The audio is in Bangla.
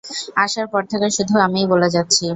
আসার পর থেকে, শুধু আমিই বলে যাচ্ছি।